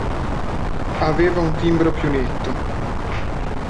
Aveva un timbro più netto.